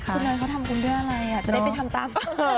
คุณเนยเขาทำบุญด้วยอะไรจะได้ไปทำตาม